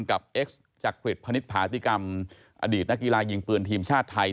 กับเอ็กซจักริดพนิษฐ์พาติกรรมอดีตนกีฬายิ่งเปือนทีมชาติไทย